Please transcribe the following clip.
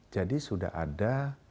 jadi sudah ada